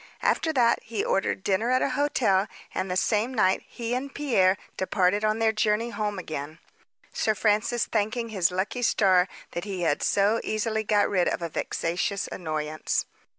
After that, he ordered dinner at a hotel, and the same night he and Pierre departed on their journey home again, Sir Francis thanking his lucky star that he had so easily got rid of a vexatious annoyance.